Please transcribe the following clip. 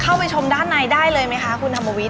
เข้าไปชมด้านในได้เลยไหมคะคุณธรรมวิท